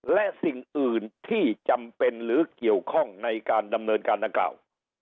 และสิ่งอื่นที่จำเป็นหรือเกี่ยวข้องในการดำเนินการดังกล่าว